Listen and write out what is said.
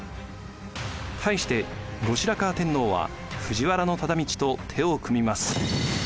対して後白河天皇は藤原忠通と手を組みます。